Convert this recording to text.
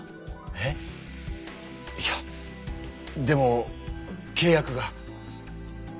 えっ⁉いやでもけい約が。